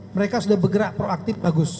mereka sudah bergerak proaktif bagus